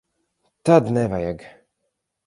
Tad nevajag.